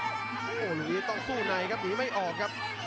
โอ้โหลุยีต้องสู้ในครับหนีไม่ออกครับ